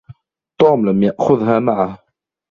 توم لم يأخذها معه.